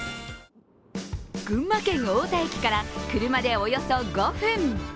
群馬県、太田駅から車でおよそ５分。